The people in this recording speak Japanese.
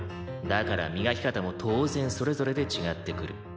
だから磨き方も当然それぞれで違ってくる。